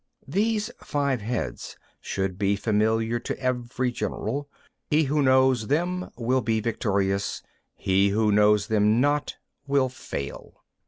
11. These five heads should be familiar to every general: he who knows them will be victorious; he who knows them not will fail.